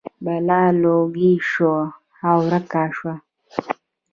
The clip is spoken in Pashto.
بلا لوګی شو او ورک شو.